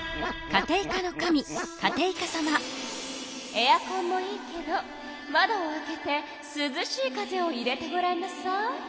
エアコンもいいけど窓を開けてすずしい風を入れてごらんなさい。